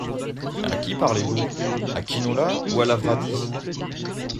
À qui parlez-vous ? à Quinola ou à Lavradi !